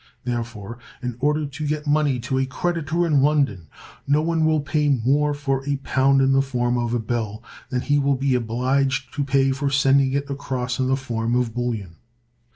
Therefore, in order to get money to a creditor in London, no one will pay more for a pound in the form of a bill than he will be obliged to pay for sending it across in the form of bullion.